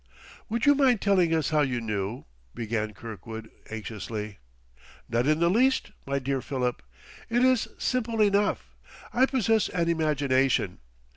"Would you mind telling us how you knew " began Kirkwood anxiously. "Not in the least, my dear Philip. It is simple enough: I possess an imagination.